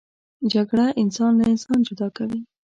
جګړه انسان له انسان جدا کوي